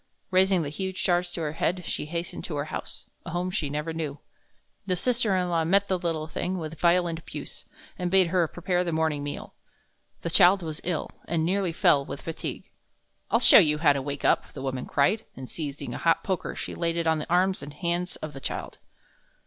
Raising the huge jars to her head, she hastened to her house a home she never knew. The sister in law met the little thing with violent abuse, and bade her prepare the morning meal. The child was ill, and nearly fell with fatigue. "I'll show you how to wake up!" the woman cried, and, seizing a hot poker, she laid it on the arms and hands of the child.